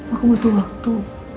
aku butuh waktu